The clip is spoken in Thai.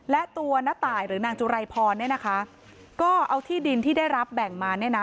และตัวน้าตายหรือนางจุไรพรเนี่ยนะคะก็เอาที่ดินที่ได้รับแบ่งมาเนี่ยนะ